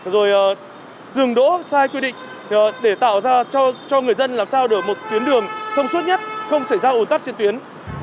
rồi dừng đỗ sai quy định để tạo ra cho người dân làm sao được một tuyến đường thông suốt nhất không xảy ra ồn tắt trên tuyến